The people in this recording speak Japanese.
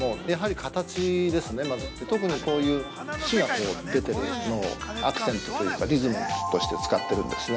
特に、こういう節が出ているのをアクセントというかリズムとして使っているんですね。